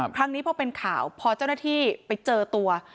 ครั้งนี้พอเป็นข่าวพอเจ้าหน้าที่ไปเจอตัว